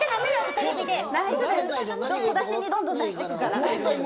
小出しにどんどん出していくから。